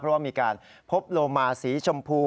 เพราะว่ามีการพบโลมาสีชมพู